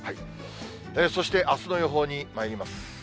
そしてあすの予報にまいります。